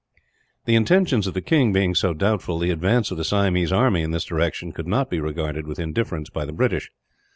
The intentions of the king being so doubtful, the advance of the Siamese army in this direction could not be regarded with indifference by the British.